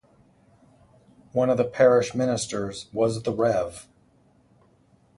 One of the parish ministers was the Rev.